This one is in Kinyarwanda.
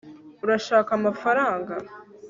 urashaka amafaranga